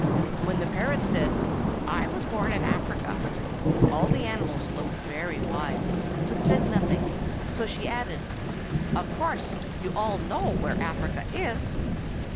When the parrot said, "I was born in Africa," all the animals looked very wise, but said nothing; so she added, "Of course, you all know where Africa is."